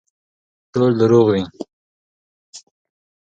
ټول دروغ دي